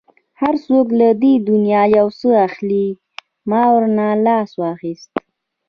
هر څوک له دې دنیا یو څه اخلي، ما ورنه لاس واخیست.